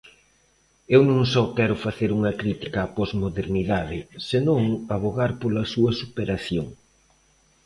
Eu non só quero facer unha crítica á posmodernidade, senón avogar pola súa superación.